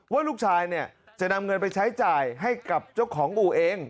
ว่าลูกชายเนี่ยจะนำเงินไปใช้จ่ายให้กับเจ้าของอู่เอง